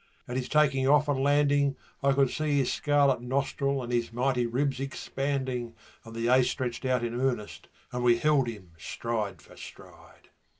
At his taking off and landing I could see his scarlet nostril and his mighty ribs expanding, And the Ace stretched out in earnest and we held him stride for stride.